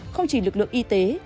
không chỉ lực lượng y tế